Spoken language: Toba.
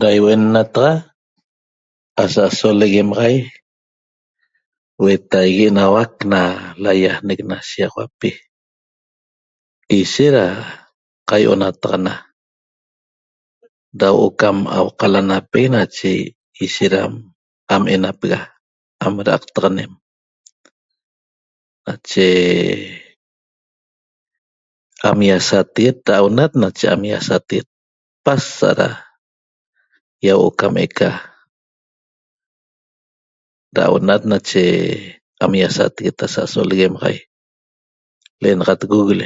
Ra ihuennataxa asa'aso leguemaxai huetaigui enauac na laiaanec na shegaxauapi ishet ra qaionnataxana ra huo'o cam auqalanapec nache ishet ra am enapega, am ra'aqtaxanem nache am iasateguet ra aunat nache am iasateguet pasa' ra iahuo'o cam eca ra aunat nache am iasateguet asa'aso leguemaxaic le'enaxat google